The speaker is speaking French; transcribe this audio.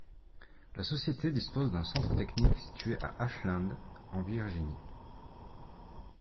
La société dispose d’un centre technique situé à Ashland, en Virginie.